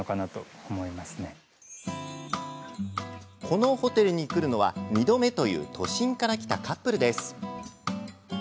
このホテルに来るのは２度目という都心から来たカップルです。